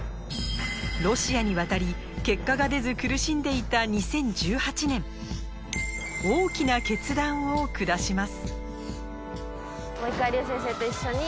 ロシアに渡り結果が出ず苦しんでいた２０１８年大きな決断を下します。